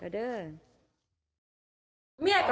เดิน